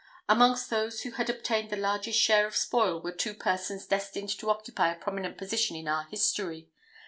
Amongst those who had obtained the largest share of spoil were two persons destined to occupy a prominent position in our history.